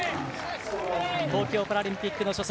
東京パラリンピックの初戦